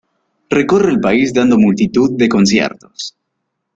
Recorre el país dando multitud de conciertos.